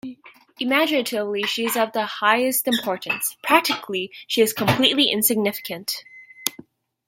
Imaginatively she is of the highest importance; practically she is completely insignificant.